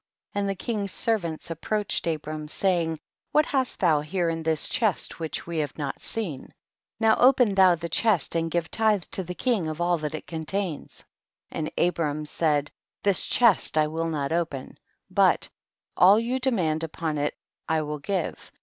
10. And the king's servants ap proached Abram, saying, what hast 42 THE BOOK OF JASHER. thou here in this chest which we have not seen ? Now open thou the chest and give tythe to the king of all that it contains. 1 1 . And Abram said, this chest I will not open, but all you demand upon it I will give.